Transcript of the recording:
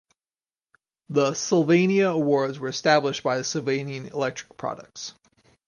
The Sylvania Awards were established by Sylvania Electric Products.